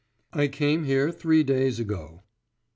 'I came here three days ago.